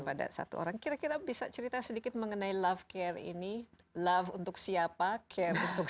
pada satu orang kira kira bisa cerita sedikit mengenai love care ini love untuk siapa care untuk